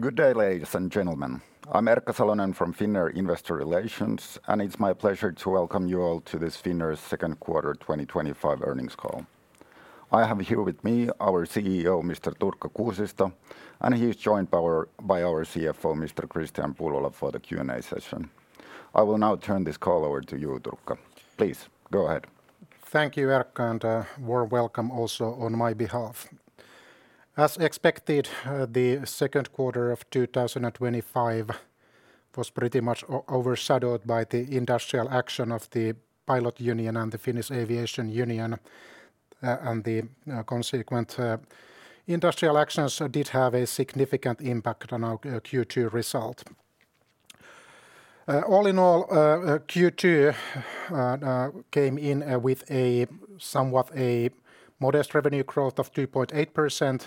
Good day, ladies and gentlemen. I'm Erkka Salonen from Finnair Investor Relations, and it's my pleasure to welcome you all to this Finnair's Second Quarter 2025 Earnings Call. I have here with me our CEO, Mr. Turkka Kuusisto, and he is joined by our CFO, Mr. Kristian Pullola, for the Q&A session. I will now turn this call over to you, Turkka. Please go ahead. Thank you, Erkka, and a warm welcome also on my behalf. As expected, the second quarter of 2025 was pretty much overshadowed by the industrial action of the Pilot Union and the Finnish Aviation Union, and the consequent industrial actions did have a significant impact on our Q2 result. All in all, Q2 came in with a somewhat modest revenue growth of 2.8%,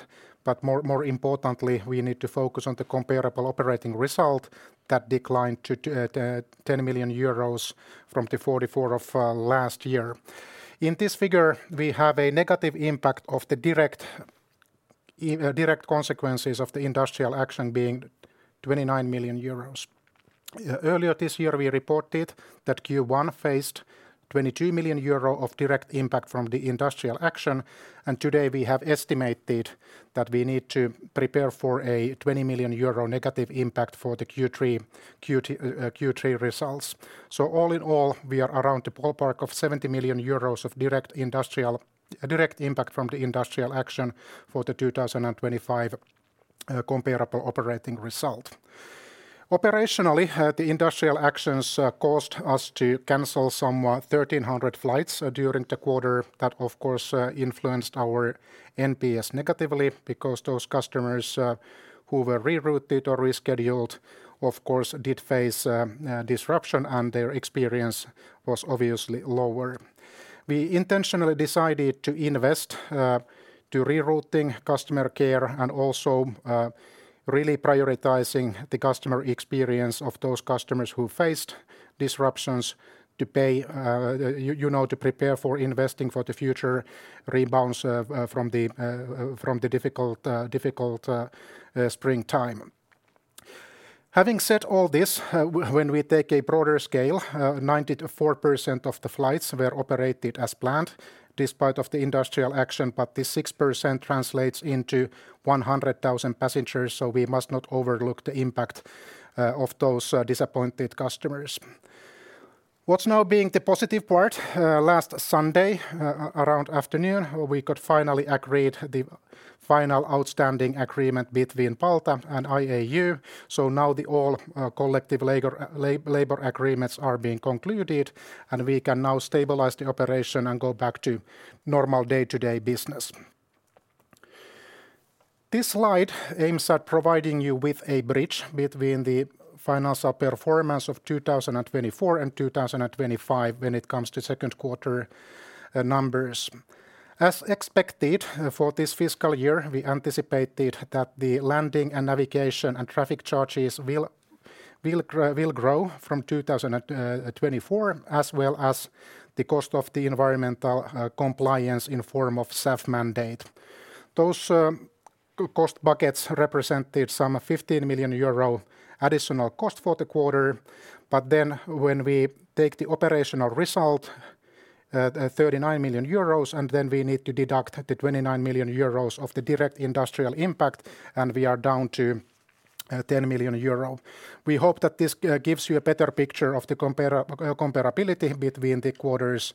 but more importantly, we need to focus on the comparable operating result that declined to 10 million euros from the 44 million of last year. In this figure, we have a negative impact of the direct consequences of the industrial action being 29 million euros. Earlier this year, we reported that Q1 faced 22 million euro of direct impact from the industrial action, and today we have estimated that we need to prepare for a 20 million euro negative impact for the Q3 results. All in all, we are around the ballpark of 70 million euros of direct impact from the industrial action for the 2025 comparable operating result. Operationally, the industrial actions caused us to cancel some 1,300 flights during the quarter. That, of course, influenced our NPS negatively because those customers who were rerouted or rescheduled, of course, did face disruption and their experience was obviously lower. We intentionally decided to invest in rerouting customer care and also really prioritizing the customer experience of those customers who faced disruptions to prepare for investing for the future rebounds from the difficult springtime. Having said all this, when we take a broader scale, 94% of the flights were operated as planned despite the industrial action, but this 6% translates into 100,000 passengers, so we must not overlook the impact of those disappointed customers. What's now being the positive part? Last Sunday around afternoon, we could finally agree to the final outstanding agreement between Palta and IAU. Now all collective labor agreements are being concluded, and we can now stabilize the operation and go back to normal day-to-day business. This slide aims at providing you with a bridge between the financial performance of 2024 and 2025 when it comes to second quarter numbers. As expected for this fiscal year, we anticipated that the landing and navigation and traffic charges will grow from 2024, as well as the cost of the environmental compliance in form of SAF mandate. Those cost buckets represented some 15 million euro additional cost for the quarter, but then when we take the operational result, 39 million euros, and then we need to deduct the 29 million euros of the direct industrial impact, and we are down to 10 million euro. We hope that this gives you a better picture of the comparability between the quarters,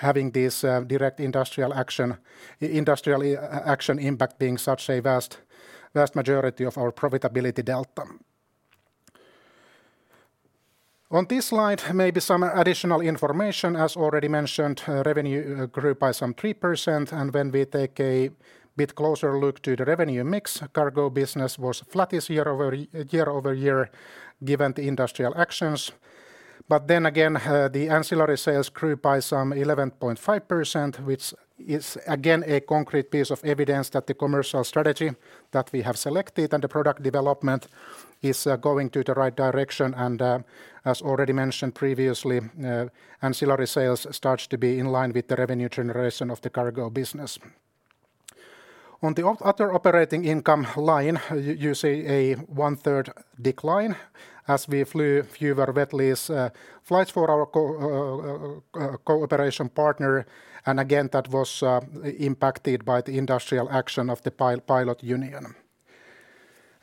having this direct industrial action impact being such a vast majority of our profitability delta. On this slide, maybe some additional information. As already mentioned, revenue grew by some 3%, and when we take a bit closer look at the revenue mix, cargo business was flattest year-over-year given the industrial actions. The ancillary sales grew by some 11.5%, which is again a concrete piece of evidence that the commercial strategy that we have selected and the product development is going in the right direction. As already mentioned previously, ancillary sales start to be in line with the revenue generation of the cargo business. On the other operating income line, you see a one-third decline as we flew fewer wet lease flights for our cooperation partner, and that was impacted by the industrial action of the Pilot Union.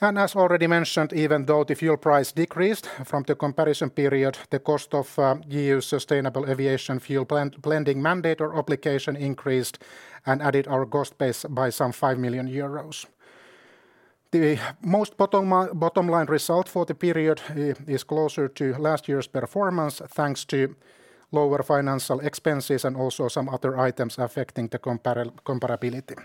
As already mentioned, even though the fuel price decreased from the comparison period, the cost of EU Sustainable Aviation Fuel blending mandate or obligation increased and added our cost base by some 5 million euros. The most bottom line result for the period is closer to last year's performance thanks to lower financial expenses and also some other items affecting the comparability.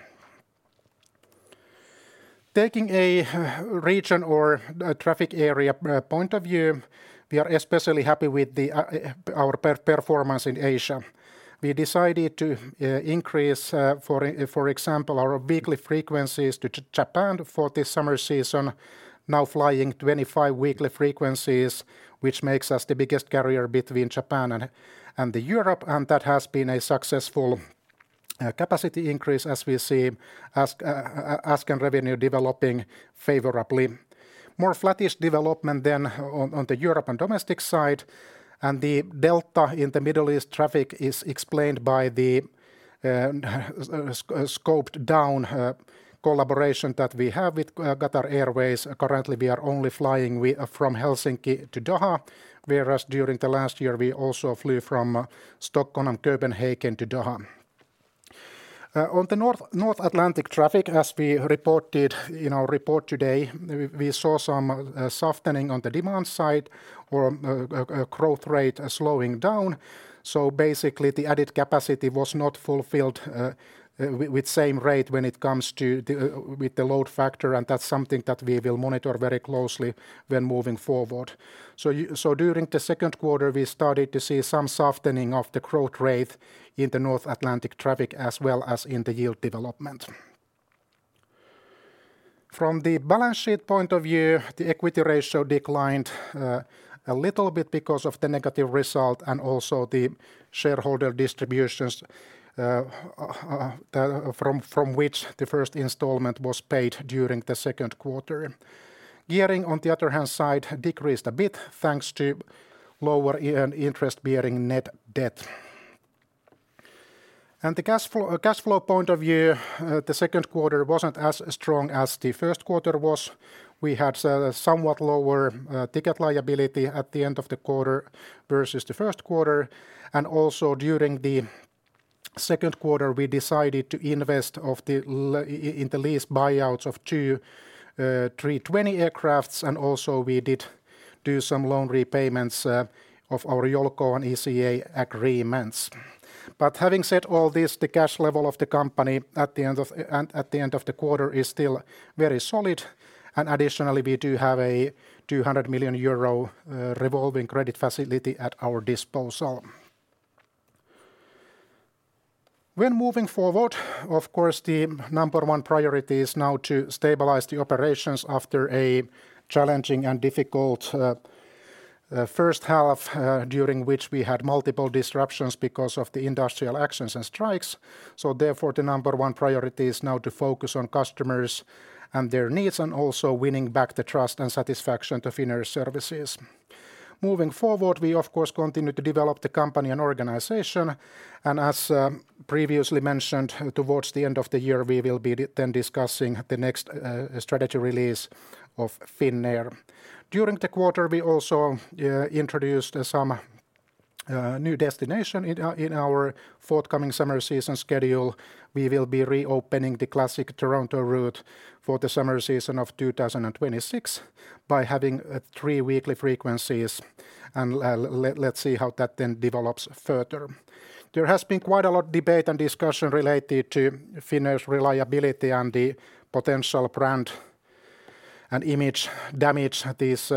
Taking a region or traffic area point of view, we are especially happy with our performance in Asia. We decided to increase, for example, our weekly frequencies to Japan for this summer season, now flying 25 weekly frequencies, which makes us the biggest carrier between Japan and Europe. That has been a successful capacity increase as we see ASK revenue developing favorably. More flattish development then on the European domestic side, and the delta in the Middle East traffic is explained by the scoped down collaboration that we have with Qatar Airways. Currently, we are only flying from Helsinki to Doha, whereas during last year we also flew from Stockholm and Copenhagen to Doha. On the North Atlantic traffic, as we reported in our report today, we saw some softening on the demand side or growth rate slowing down. Basically, the added capacity was not fulfilled with the same rate when it comes to the load factor, and that's something that we will monitor very closely when moving forward. During the second quarter, we started to see some softening of the growth rate in the North Atlantic traffic as well as in the yield development. From the balance sheet point of view, the equity ratio declined a little bit because of the negative result and also the shareholder distributions from which the first installment was paid during the second quarter. Gearing, on the other hand, decreased a bit thanks to lower interest-bearing net debt. From the cash flow point of view, the second quarter wasn't as strong as the first quarter was. We had somewhat lower ticket liability at the end of the quarter versus the first quarter. Also, during the second quarter, we decided to invest in the lease buyouts of two A320 aircraft, and we did do some loan repayments of our JOLCO and ECA agreements. Having said all this, the cash level of the company at the end of the quarter is still very solid, and additionally, we do have a 200 million euro revolving credit facility at our disposal. When moving forward, of course, the number one priority is now to stabilize the operations after a challenging and difficult first half during which we had multiple disruptions because of the industrial actions and strikes. Therefore, the number one priority is now to focus on customers and their needs and also winning back the trust and satisfaction to Finnair Services. Moving forward, we of course continue to develop the company and organization, and as previously mentioned, towards the end of the year, we will be then discussing the next strategy release of Finnair. During the quarter, we also introduced some new destinations in our forthcoming summer season schedule. We will be reopening the classic Toronto route for the summer season of 2026 by having three weekly frequencies, and let's see how that then develops further. There has been quite a lot of debate and discussion related to Finnair's reliability and the potential brand and image damage that this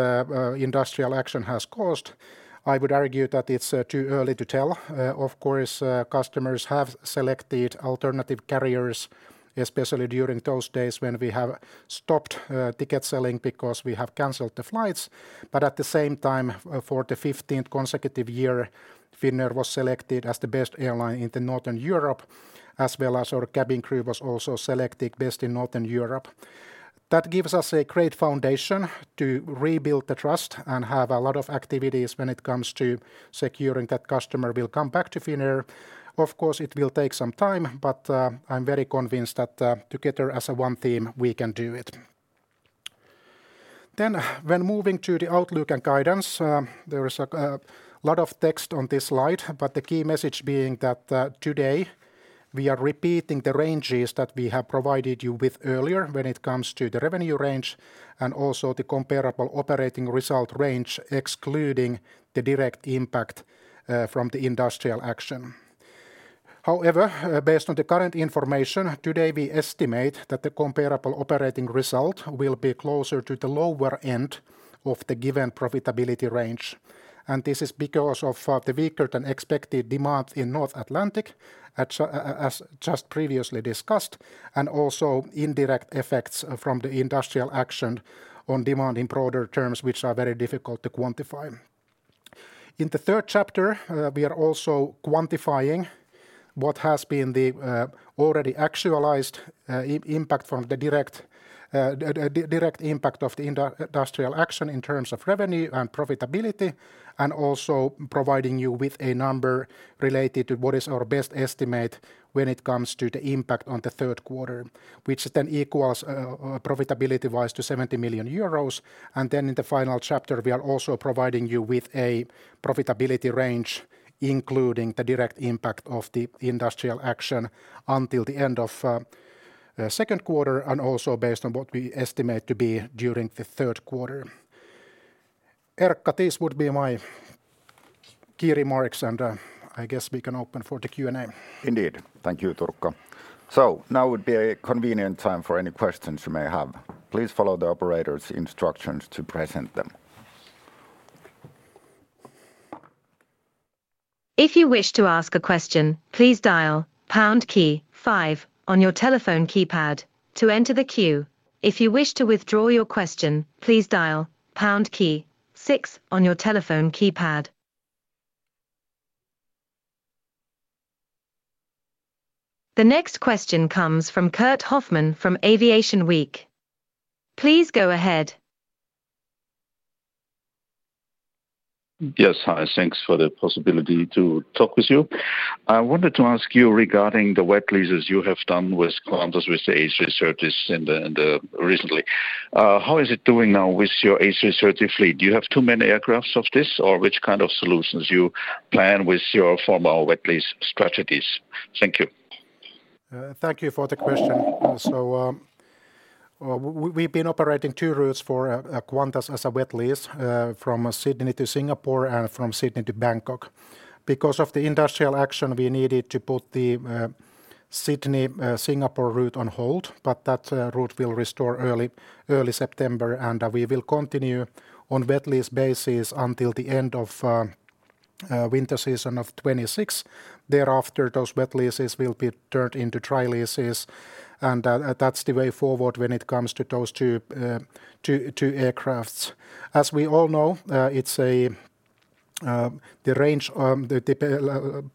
industrial action has caused. I would argue that it's too early to tell. Of course, customers have selected alternative carriers, especially during those days when we have stopped ticket selling because we have canceled the flights. At the same time, for the 15th consecutive year, Finnair was selected as the best airline in Northern Europe, as well as our cabin crew was also selected best in Northern Europe. That gives us a great foundation to rebuild the trust and have a lot of activities when it comes to securing that customer will come back to Finnair. Of course, it will take some time, but I'm very convinced that together as one team, we can do it. When moving to the outlook and guidance, there is a lot of text on this slide, but the key message being that today we are repeating the ranges that we have provided you with earlier when it comes to the revenue range and also the comparable operating result range, excluding the direct impact from the industrial action. However, based on the current information, today we estimate that the comparable operating result will be closer to the lower end of the given profitability range. This is because of the weaker than expected demand in North Atlantic, as just previously discussed, and also indirect effects from the industrial action on demand in broader terms, which are very difficult to quantify. In the third chapter, we are also quantifying what has been the already actualized impact from the direct impact of the industrial action in terms of revenue and profitability, and also providing you with a number related to what is our best estimate when it comes to the impact on the third quarter, which then equals profitability-wise to 70 million euros. In the final chapter, we are also providing you with a profitability range, including the direct impact of the industrial action until the end of the second quarter, and also based on what we estimate to be during the third quarter. Erkka, these would be my key remarks, and I guess we can open for the Q&A. Indeed, thank you, Turkka. Now would be a convenient time for any questions you may have. Please follow the operator's instructions to present them. If you wish to ask a question, please dial pound key five on your telephone keypad to enter the queue. If you wish to withdraw your question, please dial pound key six on your telephone keypad. The next question comes from Kurt Hofmann from Aviation Week. Please go ahead. Yes, hi, thanks for the possibility to talk with you. I wanted to ask you regarding the wet leases you have done with Qantas with A330s recently. How is it doing now with your A330 fleet? Do you have too many aircraft of this, or which kind of solutions do you plan with your formal wet lease strategies? Thank you. Thank you for the question. We've been operating two routes for Qantas as a wet lease, from Sydney to Singapore and from Sydney to Bangkok. Because of the industrial action, we needed to put the Sydney-Singapore route on hold, but that route will restore early September, and we will continue on wet lease basis until the end of the winter season of 2026. Thereafter, those wet leases will be turned into dry leases, and that's the way forward when it comes to those two aircraft. As we all know, the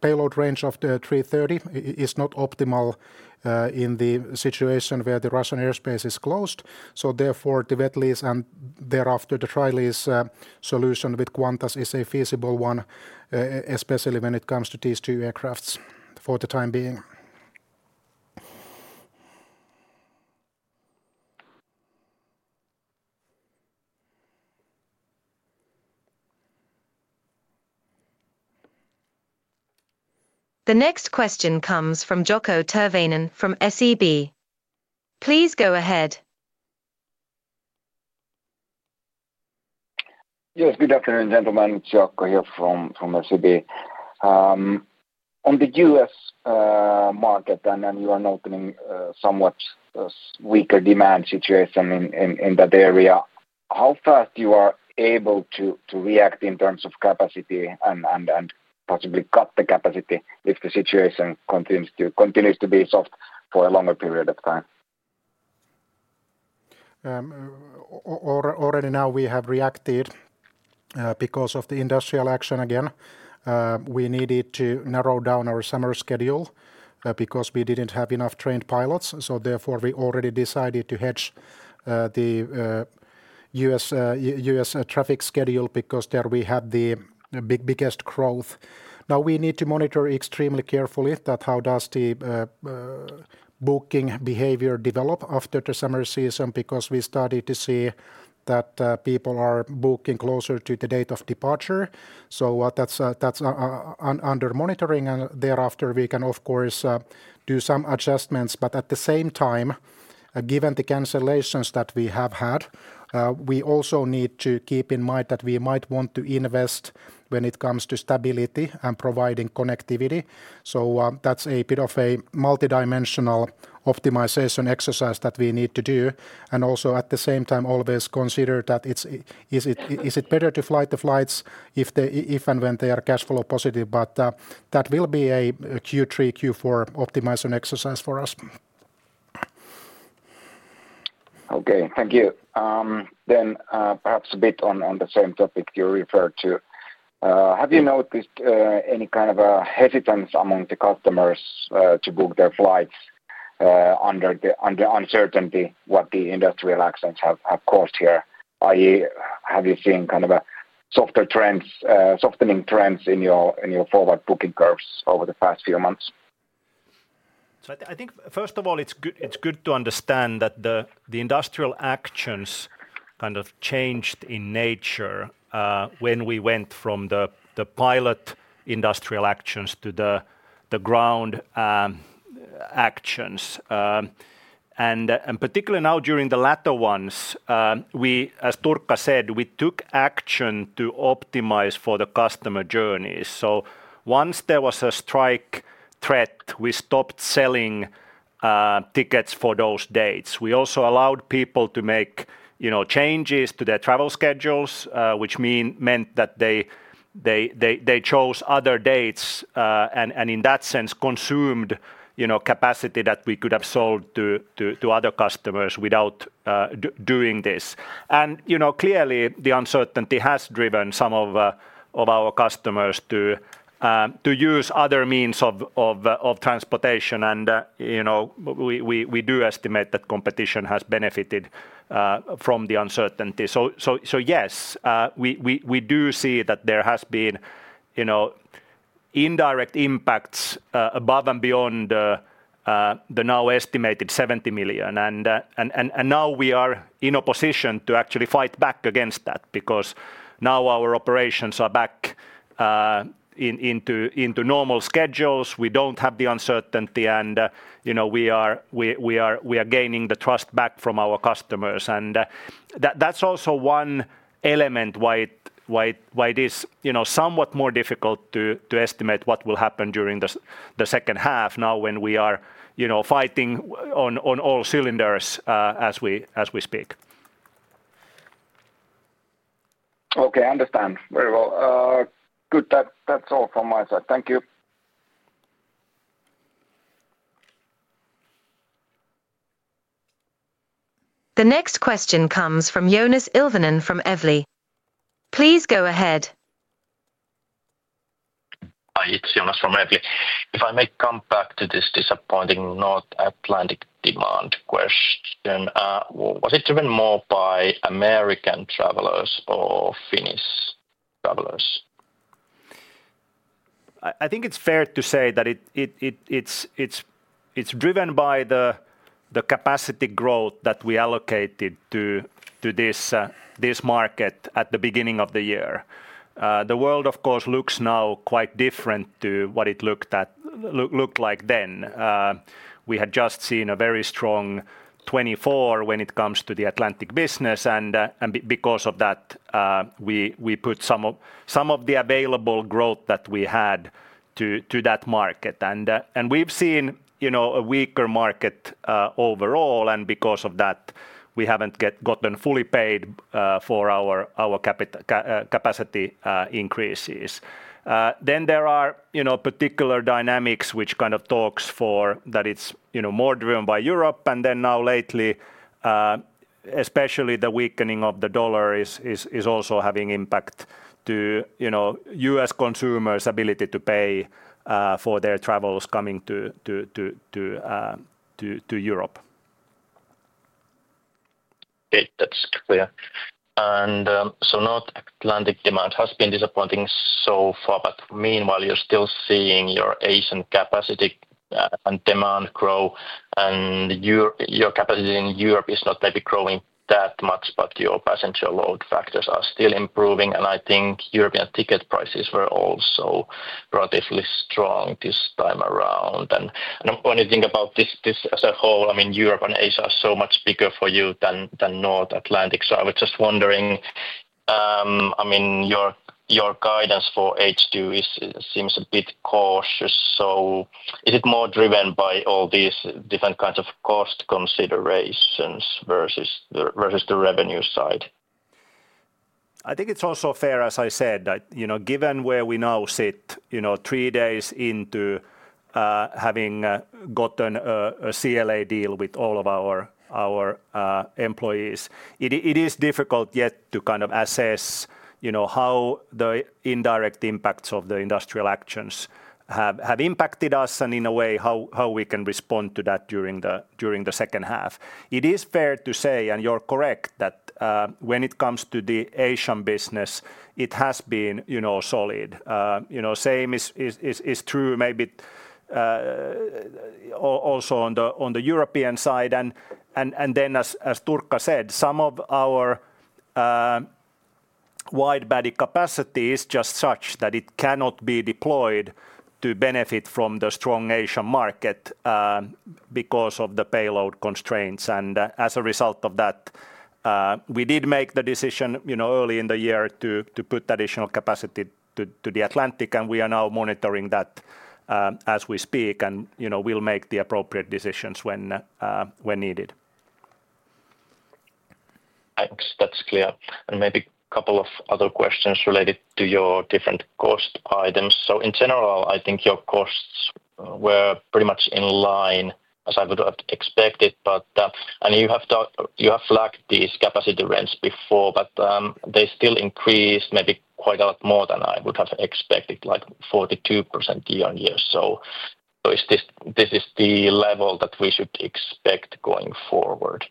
payload range of the Airbus A330 is not optimal in the situation where the Russian airspace is closed. Therefore, the wet lease and thereafter the dry lease solution with Qantas is a feasible one, especially when it comes to these two aircraft for the time being. The next question comes from Jaakko Tyrvainen from SEB. Please go ahead. Yes, good afternoon, gentlemen. Jaakko here from SEB. On the U.S. market, and you are noticing a somewhat weaker demand situation in that area, how fast you are able to react in terms of capacity and possibly cut the capacity if the situation continues to be soft for a longer period of time? Already now, we have reacted because of the industrial action again. We needed to narrow down our summer schedule because we didn't have enough trained pilots. Therefore, we already decided to hedge the U.S. traffic schedule because there we had the biggest growth. We need to monitor extremely carefully how the booking behavior develops after the summer season because we started to see that people are booking closer to the date of departure. That's under monitoring, and thereafter we can, of course, do some adjustments. At the same time, given the cancellations that we have had, we also need to keep in mind that we might want to invest when it comes to stability and providing connectivity. That's a bit of a multidimensional optimization exercise that we need to do. Also, at the same time, always consider whether it is better to fly the flights if and when they are cash flow positive. That will be a Q3-Q4 optimization exercise for us. Okay, thank you. Perhaps a bit on the same topic you referred to, have you noticed any kind of a hesitance among the customers to book their flights under the uncertainty of what the industrial actions have caused here? Have you seen kind of softening trends in your forward booking curves over the past few months? First of all, it's good to understand that the industrial actions kind of changed in nature when we went from the pilot industrial actions to the ground actions. Particularly now during the latter ones, we, as Turkka said, took action to optimize for the customer journeys. Once there was a strike threat, we stopped selling tickets for those dates. We also allowed people to make changes to their travel schedules, which meant that they chose other dates and in that sense consumed capacity that we could have sold to other customers without doing this. Clearly, the uncertainty has driven some of our customers to use other means of transportation. We do estimate that competition has benefited from the uncertainty. Yes, we do see that there have been indirect impacts above and beyond the now estimated 70 million. Now we are in a position to actually fight back against that because our operations are back into normal schedules. We don't have the uncertainty, and we are gaining the trust back from our customers. That's also one element why it is somewhat more difficult to estimate what will happen during the second half now when we are fighting on all cylinders as we speak. Okay, I understand very well. Good, that's all from my side. Thank you. The next question comes from Joonas Ilvonen from Evli Bank plc. Please go ahead. Hi, it's Joonas from Evli. If I may come back to this disappointing North Atlantic demand question, was it driven more by American travelers or Finnish travelers? I think it's fair to say that it's driven by the capacity growth that we allocated to this market at the beginning of the year. The world, of course, looks now quite different to what it looked like then. We had just seen a very strong 2024 when it comes to the Atlantic business, and because of that, we put some of the available growth that we had to that market. We've seen a weaker market overall, and because of that, we haven't yet gotten fully paid for our capital capacity increases. There are particular dynamics which kind of talk for that it's more driven by Europe, and now lately, especially the weakening of the dollar is also having an impact on U.S. consumers' ability to pay for their travels coming to Europe. Okay, that's clear. North Atlantic demand has been disappointing so far, but meanwhile, you're still seeing your Asian capacity and demand grow, and your capacity in Europe is not maybe growing that much, but your potential load factors are still improving. I think European ticket prices were also relatively strong this time around. When you think about this as a whole, Europe and Asia are so much bigger for you than North Atlantic. I was just wondering, your guidance for H2 seems a bit cautious. Is it more driven by all these different kinds of cost considerations versus the revenue side? I think it's also fair, as I said, that given where we now sit, three days into having gotten a collective labor agreement deal with all of our employees, it is difficult yet to assess how the indirect impacts of the industrial actions have impacted us and in a way how we can respond to that during the second half. It is fair to say, and you're correct, that when it comes to the Asian business, it has been solid. The same is true maybe also on the European side. As Turkka said, some of our widebody capacity is just such that it cannot be deployed to benefit from the strong Asian market because of the payload constraints. As a result of that, we did make the decision early in the year to put additional capacity to the Atlantic, and we are now monitoring that as we speak, and we'll make the appropriate decisions when needed. Thanks, that's clear. Maybe a couple of other questions related to your different cost items. In general, I think your costs were pretty much in line as I would have expected, but you have flagged these capacity rents before, but they still increased maybe quite a lot more than I would have expected, like 42% year-on-year. Is this the level that we should expect going forward?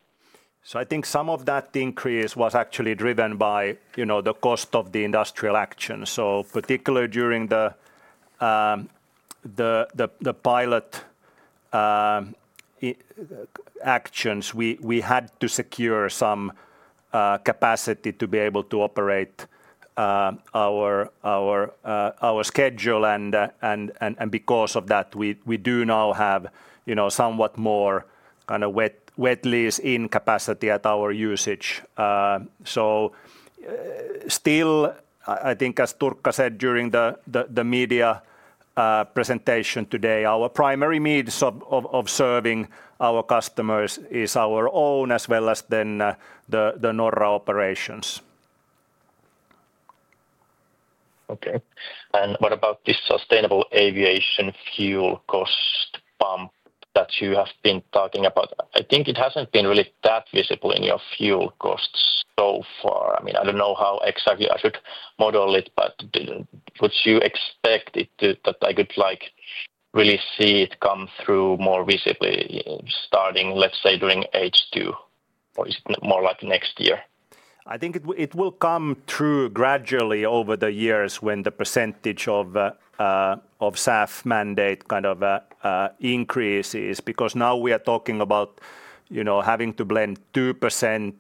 I think some of that increase was actually driven by the cost of the industrial action. Particularly during the pilot actions, we had to secure some capacity to be able to operate our schedule. Because of that, we do now have somewhat more kind of wet lease in capacity at our usage. I think as Turkka said during the media presentation today, our primary means of serving our customers is our own as well as then the Norra operations. Okay. What about this Sustainable Aviation Fuel cost pump that you have been talking about? I think it hasn't been really that visible in your fuel costs so far. I mean, I don't know how exactly I should model it, but would you expect it to, that I would like to really see it come through more visibly starting, let's say, during H2? Is it more like next year? I think it will come through gradually over the years when the percentage of SAF mandate kind of increases because now we are talking about having to blend 2%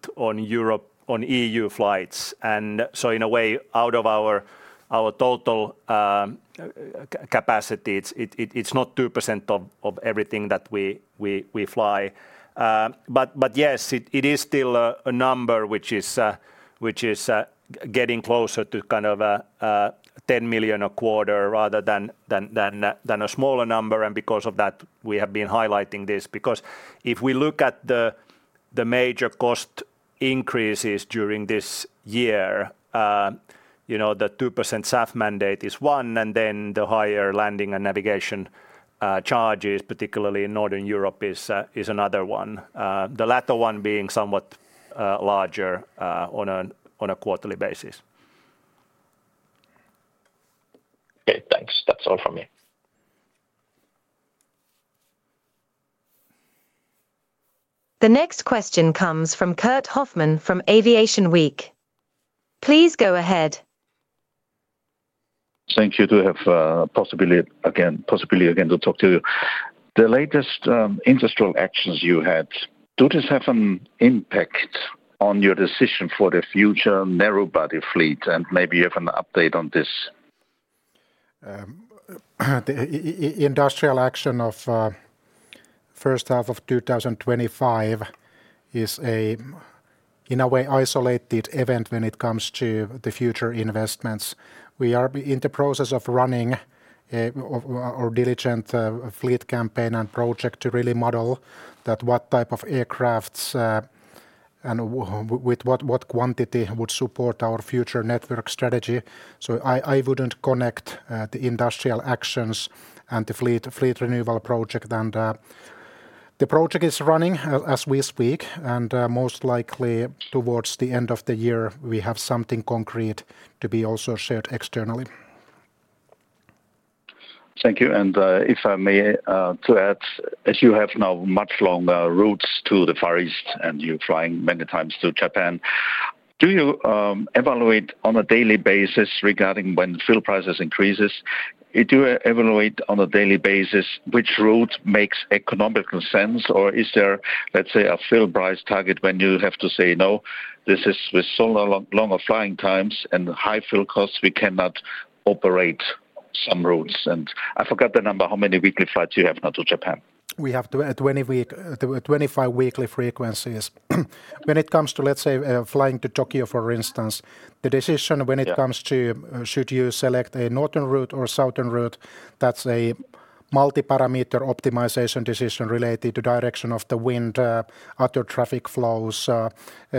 on EU flights. In a way, out of our total capacity, it's not 2% of everything that we fly. Yes, it is still a number which is getting closer to kind of 10 million a quarter rather than a smaller number. Because of that, we have been highlighting this because if we look at the major cost increases during this year, the 2% SAF mandate is one, and then the higher landing and navigation charges, particularly in Northern Europe, is another one. The latter one being somewhat larger on a quarterly basis. Okay, thanks. That's all from me. The next question comes from Kurt Hofmann from Aviation Week. Please go ahead. Thank you. Do you have possibility again to talk to you? The latest industrial actions you had, does this have an impact on your decision for the future narrow-body fleet? Maybe you have an update on this. The industrial action of the first half of 2025 is, in a way, an isolated event when it comes to the future investments. We are in the process of running our diligent fleet campaign and project to really model that what type of aircraft and with what quantity would support our future network strategy. I wouldn't connect the industrial action and the fleet renewal project. The project is running as we speak, and most likely towards the end of the year, we have something concrete to be also shared externally. Thank you. If I may add, as you have now much longer routes to the Far East and you're flying many times to Japan, do you evaluate on a daily basis regarding when fuel prices increase? Do you evaluate on a daily basis which route makes economical sense, or is there, let's say, a fuel price target when you have to say, no, this is with so longer flying times and high fuel costs, we cannot operate some routes? I forgot the number, how many weekly flights you have now to Japan. We have 25 weekly frequencies. When it comes to, let's say, flying to Tokyo, for instance, the decision when it comes to should you select a northern route or southern route, that's a multi-parameter optimization decision related to the direction of the wind, other traffic flows,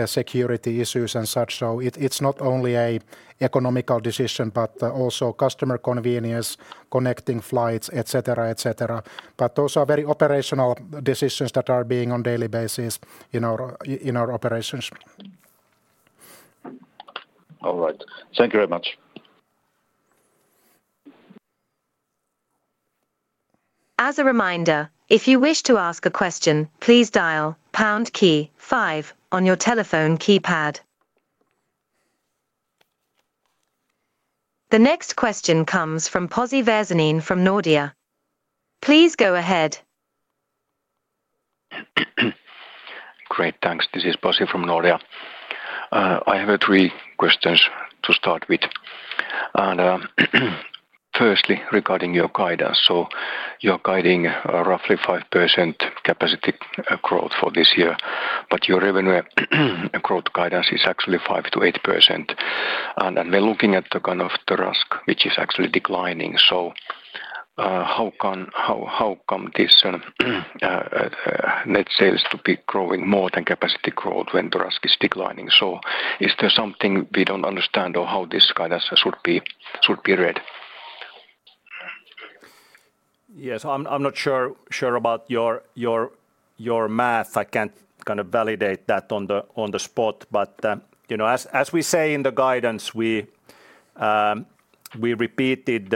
security issues, and such. It's not only an economical decision, but also customer convenience, connecting flights, etc., etc. Those are very operational decisions that are being made on a daily basis in our operations. All right. Thank you very much. As a reminder, if you wish to ask a question, please dial pound key five on your telephone keypad. The next question comes from Pasi Väisänen from Nordea. Please go ahead. Great, thanks. This is Pasi from Nordea. I have three questions to start with. Firstly, regarding your guidance, you're guiding roughly 5% capacity growth for this year, but your revenue growth guidance is actually 5%-8%. We're looking at the kind of the RASK, which is actually declining. How come these net sales to be growing more than capacity growth when the RASK is declining? Is there something we don't understand or how this guidance should be read? Yes, I'm not sure about your math. I can't validate that on the spot, but as we say in the guidance, we repeated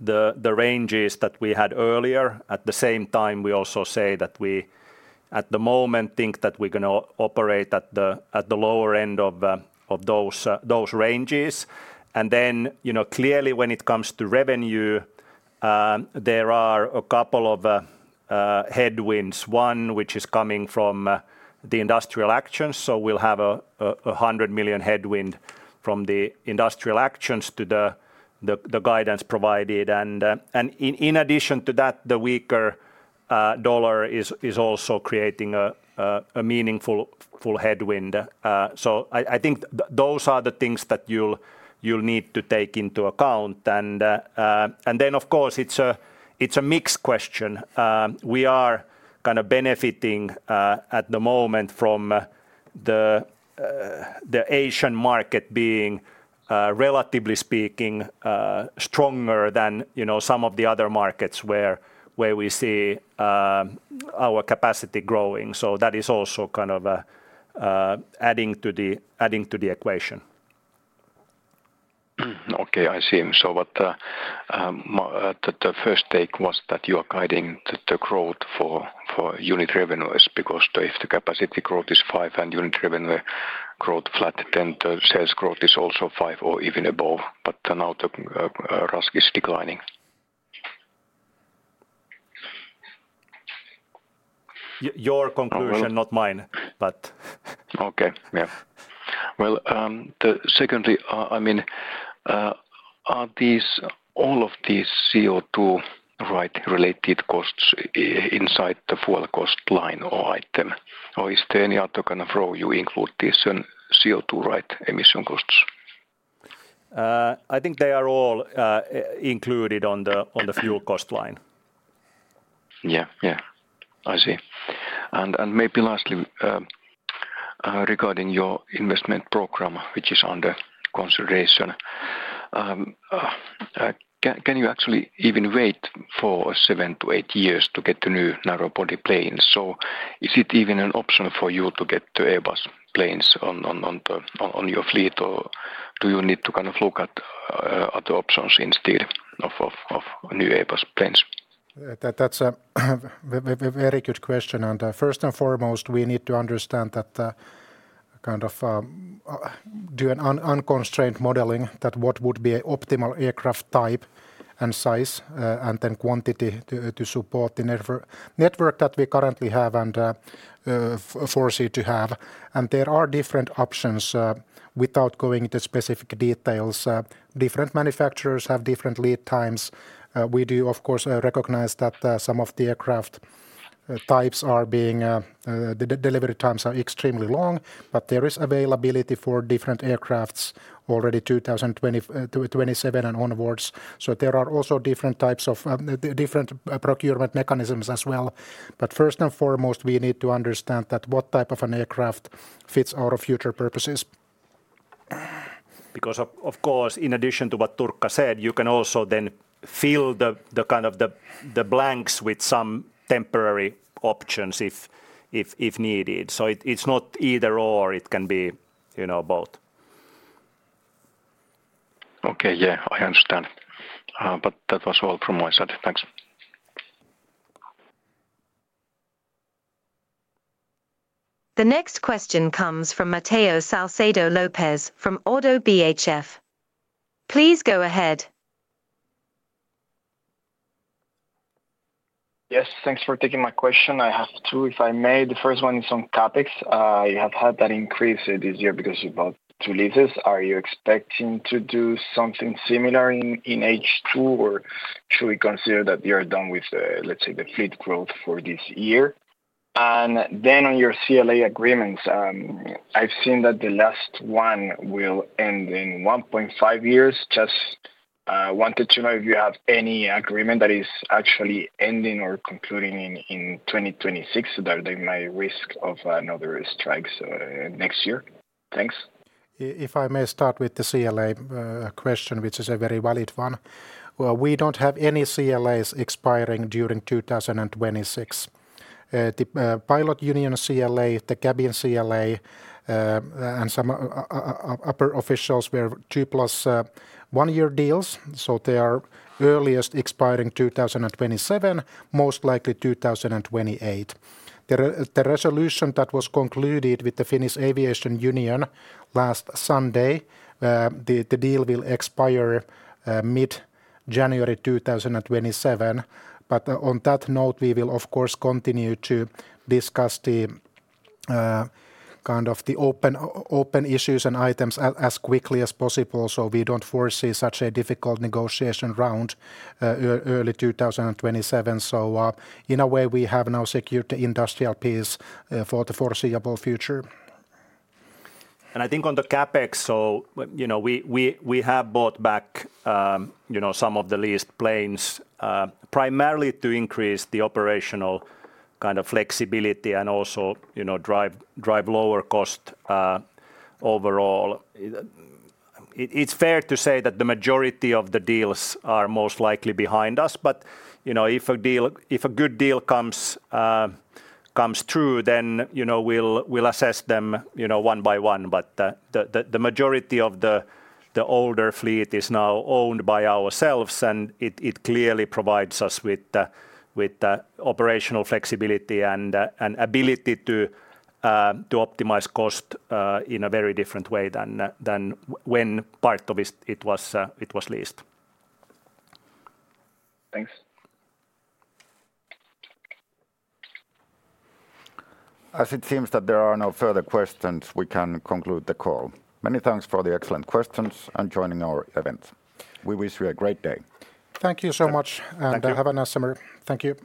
the ranges that we had earlier. At the same time, we also say that we, at the moment, think that we're going to operate at the lower end of those ranges. Clearly, when it comes to revenue, there are a couple of headwinds. One, which is coming from the industrial actions. We'll have a 100 million headwind from the industrial actions to the guidance provided. In addition to that, the weaker dollar is also creating a meaningful headwind. I think those are the things that you'll need to take into account. Of course, it's a mixed question. We are benefiting at the moment from the Asian market being, relatively speaking, stronger than some of the other markets where we see our capacity growing. That is also adding to the equation. Okay, I see. The first take was that you are guiding the growth for unit revenues because if the capacity growth is 5% and unit revenue growth is flat, then the sales growth is also 5% or even above. Now the RASK is declining. Your conclusion, not mine. Okay, yes. The secondly, I mean, are all of these CO2-related costs inside the fuel cost line or item? Or is there any other kind of row you include these CO2-related emission costs? I think they are all included on the fuel cost line. I see. Maybe lastly, regarding your investment program, which is under consideration, can you actually even wait for seven to eight years to get the new narrowbody aircraft? Is it even an option for you to get the Airbus A330 planes on your fleet, or do you need to kind of look at other options instead of new Airbus planes? That's a very good question. First and foremost, we need to understand that, kind of do an unconstrained modeling, what would be an optimal aircraft type and size and then quantity to support the network that we currently have and foresee to have. There are different options, without going into specific details. Different manufacturers have different lead times. We do, of course, recognize that some of the aircraft types are being delivered times are extremely long, but there is availability for different aircraft already 2027 and onwards. There are also different types of different procurement mechanisms as well. First and foremost, we need to understand what type of an aircraft fits our future purposes. Because, of course, in addition to what Turkka said, you can also then fill the kind of the blanks with some temporary options if needed. It's not either or, it can be both. Okay, yeah, I understand. That was all from my side. Thanks. The next question comes from Mateo Salcedo Lopez from ODDO BHF. Please go ahead. Yes, thanks for taking my question. I have two, if I may. The first one is on CapEx. I have had that increase this year because of two leases. Are you expecting to do something similar in H2, or should we consider that you are done with the, let's say, the fleet growth for this year? On your collective labor agreements, I've seen that the last one will end in 1.5 years. Just wanted to know if you have any agreement that is actually ending or concluding in 2026 so that there might be a risk of another strike next year. Thanks. If I may start with the CLA question, which is a very valid one. We don't have any CLAs expiring during 2026. The Pilot Union CLA, the Cabin CLA, and some upper officials were two plus one-year deals. They are earliest expiring 2027, most likely 2028. The resolution that was concluded with the Finnish Aviation Union last Sunday, the deal will expire mid-January 2027. On that note, we will, of course, continue to discuss the kind of the open issues and items as quickly as possible so we don't foresee such a difficult negotiation round early 2027. In a way, we have now secured the industrial piece for the foreseeable future. I think on the CapEx, we have bought back some of the leased planes primarily to increase the operational kind of flexibility and also drive lower cost overall. It's fair to say that the majority of the deals are most likely behind us, but if a good deal comes through, then we'll assess them one by one. The majority of the older fleet is now owned by ourselves, and it clearly provides us with operational flexibility and ability to optimize cost in a very different way than when part of it was leased. As it seems that there are no further questions, we can conclude the call. Many thanks for the excellent questions and joining our event. We wish you a great day. Thank you so much, and have a nice summer. Thank you.